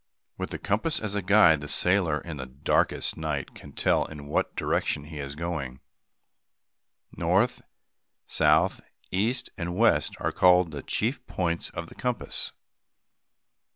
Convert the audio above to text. With the compass as a guide, the sailor, in the darkest night, can tell in what direction he is going. North, south, east, and west are called the chief points of the compass.